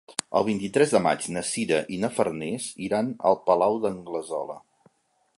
El vint-i-tres de maig na Sira i na Farners iran al Palau d'Anglesola.